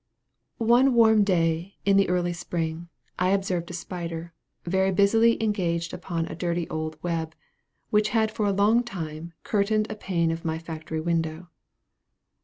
One warm day in the early spring, I observed a spider, very busily engaged upon a dirty old web, which had for a long time, curtained a pane of my factory window.